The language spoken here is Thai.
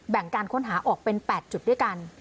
การค้นหาออกเป็น๘จุดด้วยกัน